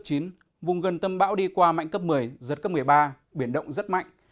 trong ngày hôm nay vùng gần tâm bão đi qua mạnh cấp một mươi giật cấp một mươi ba biển động rất mạnh